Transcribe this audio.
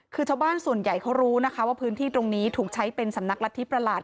คือชาวบ้านส่วนใหญ่เขารู้นะคะว่าพื้นที่ตรงนี้ถูกใช้เป็นสำนักรัฐธิประหลาด